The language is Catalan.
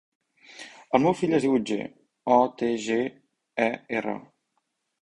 El meu fill es diu Otger: o, te, ge, e, erra.